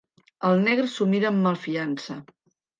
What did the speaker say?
El negre s'ho mira amb malfiança.